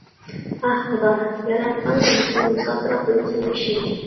ئاھ خۇدا، ياراتقان ئىگىسى مۇساپىر قىلمىسۇن كىشىنى.